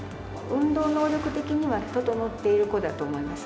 運動能力的には、整っている子だと思います。